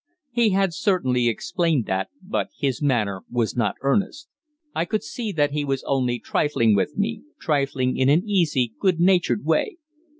He had certainly explained that, but his manner was not earnest. I could see that he was only trifling with me, trifling in an easy, good natured way.